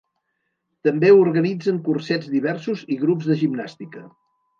També organitzen cursets diversos i grups de gimnàstica.